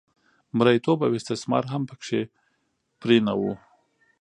مریتوب او استثمار هم په کې پرېنه و.